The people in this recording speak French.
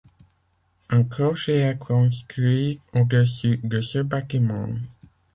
Un clocher est construit au-dessus de ce bâtiment.